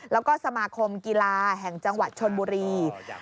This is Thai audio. แล้วก็สมาคมกีฬาแห่งจังหวัดชนบุรี